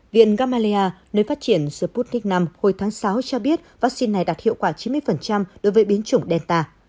viện gamaleya nơi phát triển sputnik v hồi tháng sáu cho biết vaccine này đạt hiệu quả chín mươi đối với biến chủng delta